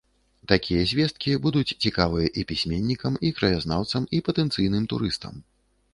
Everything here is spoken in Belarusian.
Такія звесткі будуць цікавыя і пісьменнікам, і краязнаўцам, і патэнцыйным турыстам.